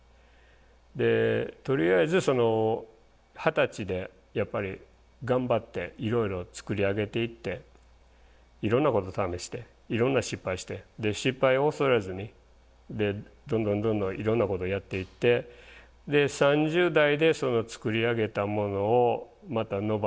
でとりあえず二十歳でやっぱり頑張っていろいろ作り上げていっていろんなこと試していろんな失敗してで失敗を恐れずにどんどんどんどんいろんなことやっていってで３０代で作り上げたものをまた伸ばして４０代で安定するという感じですね。